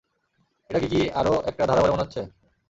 এটাকে কি আরো একটা ধাঁধা বলে মনে হচ্ছে?